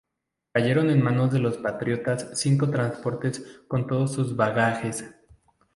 Cayeron en manos de los patriotas cinco transportes con todos sus bagajes.